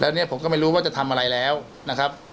แล้วเนี่ยผมก็ไม่รู้ว่าจะทำอะไรแล้วนะครับ